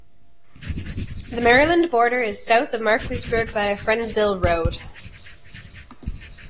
The Maryland border is south of Markleysburg via Friendsville Road.